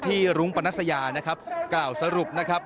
รุ้งปนัสยานะครับกล่าวสรุปนะครับ